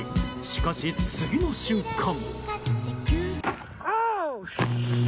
しかし、次の瞬間。